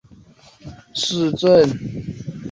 梅梅尔斯是德国图林根州的一个市镇。